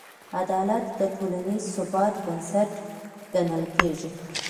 عدالت د ټولنیز ثبات بنسټ ګڼل کېږي.